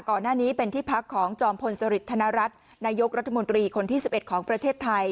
ก่อนหน้านี้เป็นที่พักของจอมพลสริทธนรัฐนายกรัฐมนตรีคนที่๑๑ของประเทศไทย